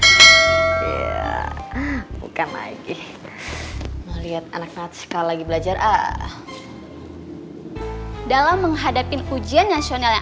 ya bukan lagi melihat anak anak sekali lagi belajar ah dalam menghadapi ujian nasional yang